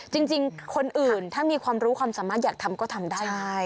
จริงคนอื่นถ้ามีความรู้ความสามารถอยากทำก็ทำได้